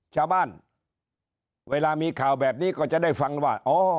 ชาวบ้านเวลามีข่าวแบบนี้ก็จะได้ฟังว่า